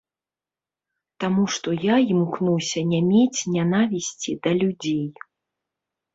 Таму што я імкнуся не мець нянавісці да людзей.